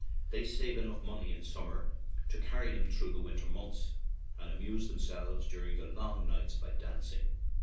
They save enough money in summer to carry them through the winter months, and amuse themselves during the long nights by dancing.